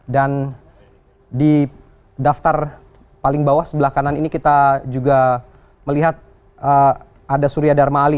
dan di daftar paling bawah sebelah kanan ini kita juga melihat ada surya dharma ali